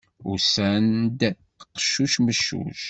Usan-d qeccuc, meccuc.